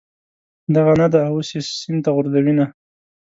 دغه نه ده، اوس یې سین ته غورځوینه.